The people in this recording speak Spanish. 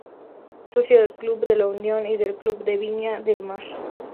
Socio del Club de La Unión y del Club de Viña del Mar.